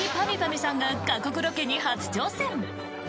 ゅさんが過酷ロケに初挑戦！